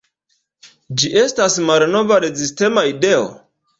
Ĝi estas malnova rezistema ideo?